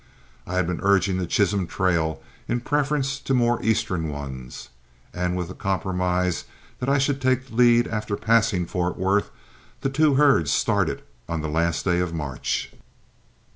I had been urging the Chisholm trail in preference to more eastern ones, and with the compromise that I should take the lead after passing Fort Worth, the two herds started on the last day of March.